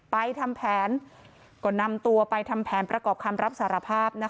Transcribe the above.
ไปทำแผนก็นำตัวไปทำแผนประกอบคำรับสารภาพ